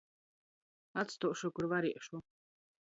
Atstuošu, kur variešu.